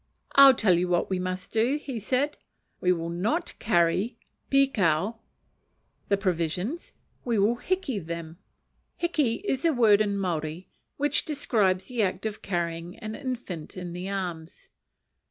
"I'll tell you what we must do," said he, "we will not carry (pikau) the provisions, we will hiki them." (Hiki is the word in Maori which describes the act of carrying an infant in the arms.)